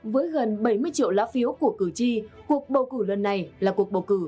với gần bảy mươi triệu lá phiếu của cử tri cuộc bầu cử lần này là cuộc bầu cử